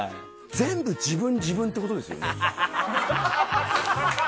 全部自分、自分ってことですよね。